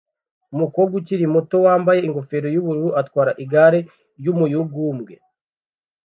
Umukobwa ukiri muto wambaye ingofero yubururu atwara igare ry'umuyugubwe